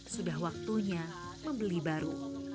sudah waktunya membeli baru